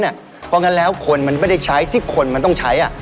เพราะงั้นแล้วคนมันไม่ได้ใช้ที่คนมันต้องใช้